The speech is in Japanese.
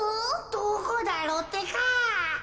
どこだろうってか。